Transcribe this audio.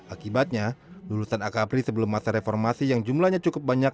akibatnya lulusan akapri sebelum masa reformasi yang jumlahnya cukup banyak